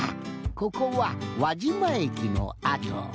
ここは輪島駅のあと。